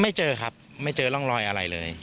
ไม่เจอครับไม่เจอร่องรอยอะไรเลย